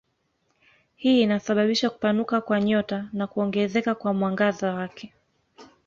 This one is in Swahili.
Hii inasababisha kupanuka kwa nyota na kuongezeka kwa mwangaza wake.